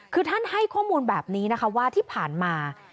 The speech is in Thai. คือท่านให้ข้อมูลแบบนี้นะคะว่าที่ผ่านมา